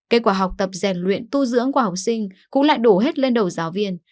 kết quả học tập rèn luyện tu dưỡng của học sinh cũng lại đổ hết lên đầu giáo viên